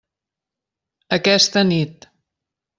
Aquesta nit.